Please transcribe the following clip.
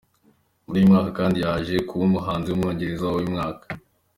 Muri uyu mwaka kandi yaje kuba umuhanzi w’umwongereza w’uyumwaka.